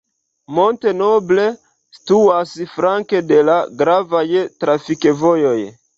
Mont-Noble situas flanke de la gravaj trafikvojoj.